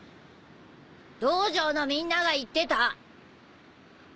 道場のみんなが言ってた